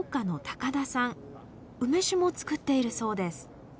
梅酒も造っているそうです。